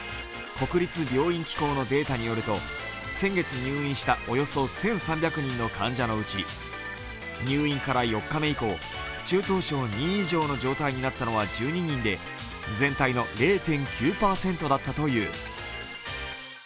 国立病院機構のデータによると先月入院したおよそ１３００人の患者のうち、入院から４日目以降、中等症Ⅱ以上の状態になったのは１２人で全体の０．９％だったという。